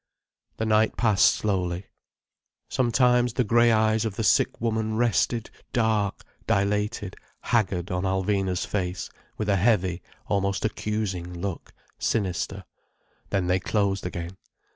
The night passed slowly. Sometimes the grey eyes of the sick woman rested dark, dilated, haggard on Alvina's face, with a heavy, almost accusing look, sinister. Then they closed again.